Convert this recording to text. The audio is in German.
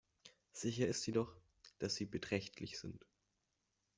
Sicher ist jedoch, dass sie beträchtlich sind.